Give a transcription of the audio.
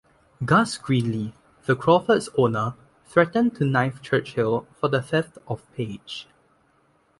Gus Greenlee, the Crawfords' owner, threatened to knife Churchill for the 'theft' of Paige.